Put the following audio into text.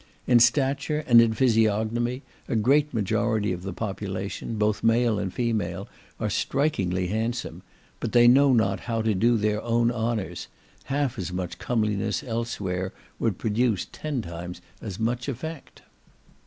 In stature, and in physiognomy, a great majority of the population, both male and female, are strikingly handsome, but they know not how to do their own honours; half as much comeliness elsewhere would produce ten times as much effect.